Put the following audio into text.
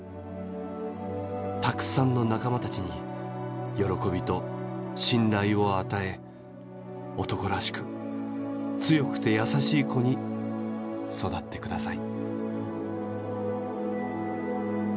たくさんの仲間たちによろこびと信頼をあたえ男らしく強くて優しい子に育って下さい」。